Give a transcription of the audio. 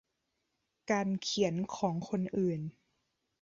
การเขียนของคนอื่น